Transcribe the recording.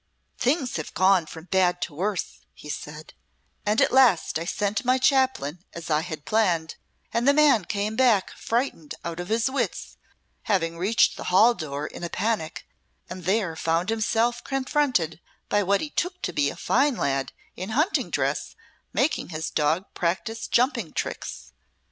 "Things have gone from bad to worse," he said, "and at last I sent my Chaplain as I had planned, and the man came back frightened out of his wits, having reached the hall door in a panic and there found himself confronted by what he took to be a fine lad in hunting dress making his dog practise jumping tricks.